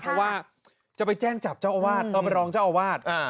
เพราะว่าจะไปแจ้งจับเจ้าอาวาสเอามารองเจ้าอาวาส